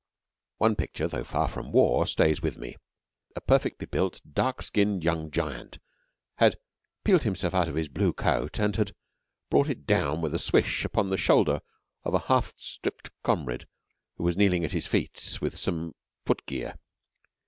One picture, though far from war, stays with me. A perfectly built, dark skinned young giant had peeled himself out of his blue coat and had brought it down with a swish upon the shoulder of a half stripped comrade who was kneeling at his feet with some footgear.